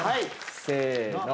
せの。